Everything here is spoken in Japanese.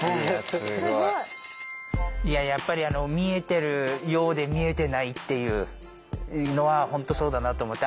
すごい。いややっぱり見えてるようで見えてないっていうのは本当そうだなと思って。